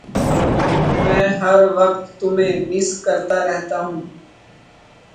میں ہر وقت تمہیں مس کرتا رہتا ہوں